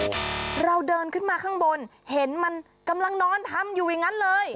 เราเดินขึ้นมาข้างบนเห็นมันกำลังนอนทำอยู่อย่างนั้นเลย